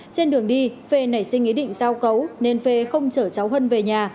trên đường đi phê nảy sinh ý định giao cấu nên phê không chở cháu huân về nhà